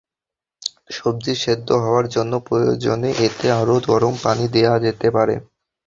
সবজি সেদ্ধ হওয়ার জন্য প্রয়োজনে এতে আরও গরম পানি দেওয়া যেতে পারে।